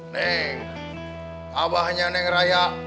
neng abah hanya neng raya